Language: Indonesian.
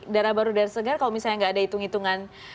darah baru darah segar kalau misalnya nggak ada hitung hitungan